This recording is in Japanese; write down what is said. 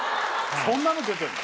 そんなの出てるの？